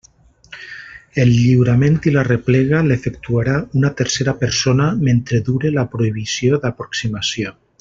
El lliurament i la replega l'efectuarà una tercera persona mentre dure la prohibició d'aproximació.